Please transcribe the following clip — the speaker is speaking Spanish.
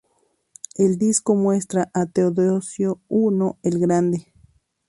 El disco muestra a Teodosio I el Grande.